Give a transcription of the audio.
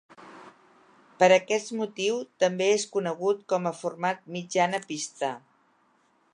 Per aquest motiu, també és conegut com a format mitjana pista.